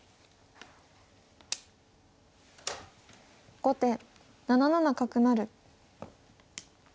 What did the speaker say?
後手７七角成。